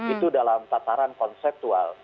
itu dalam tataran konseptual